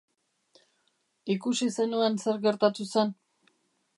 Ikusi zenuen zer gertatu zen?